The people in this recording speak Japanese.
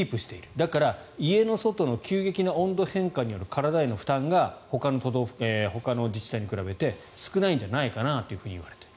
だから、家の外の急激な温度変化による体への負担がほかの自治体に比べて少ないのではといわれている。